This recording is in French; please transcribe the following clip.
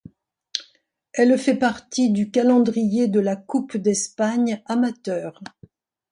Elle fait partie du calendrier de la Coupe d'Espagne amateurs.